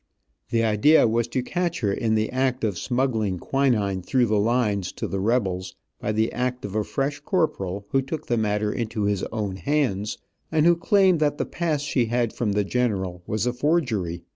The idea was to catch her in the act of smuggling quinine through the lines to the rebels, by the act of a fresh corporal who took the matter into his own hands, and who claimed that the pass she had from the general was a forgery.